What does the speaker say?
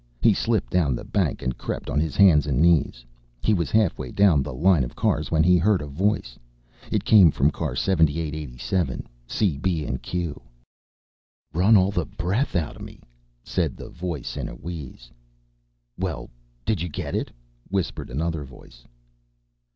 He slipped down the bank and crept on his hands and knees. He was halfway down the line of cars when he heard a voice. It came from car 7887, C. B. & Q. "Run all the breath out of me," said the voice in a wheeze. "Well, did you get it?" whispered another voice.